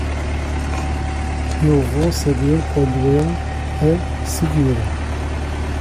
Eu vou saber quando eu a seguir.